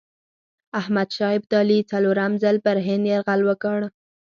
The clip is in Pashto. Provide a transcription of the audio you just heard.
احمدشاه ابدالي څلورم ځل پر هند یرغل وکړ.